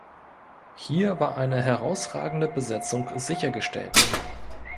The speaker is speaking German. Hier war eine herausragende Besetzung sichergestellt.